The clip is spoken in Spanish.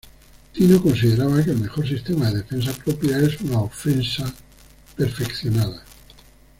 Tino consideraba que el mejor sistema de defensa propia es una ofensa perfeccionada.